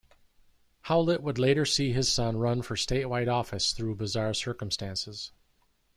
Howlett would later see his son run for statewide office through bizarre circumstances.